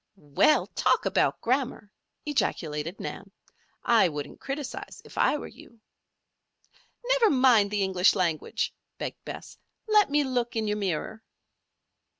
"Well! talk about grammar!" ejaculated Nan. "I wouldn't criticise, if I were you." "Never mind the English language," begged Bess. "Let me look in your mirror."